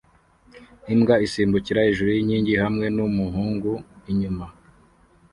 Imbwa isimbukira hejuru yinkingi hamwe numuhungu inyuma